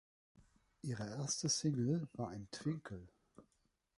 Ihre erste Single war Twinkle.